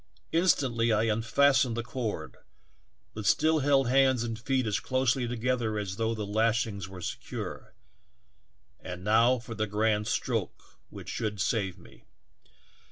Instantl}^ I unfastened the cord, but still held hands and feet as closely together as though the lashings were secure. And now for the grand stroke which should save me